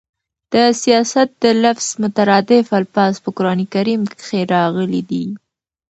د سیاست د لفظ مترادف الفاظ په قران کريم کښي راغلي دي.